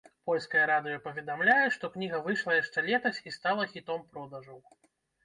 Польскае радыё паведамляе, што кніга выйшла яшчэ летась і стала хітом продажаў.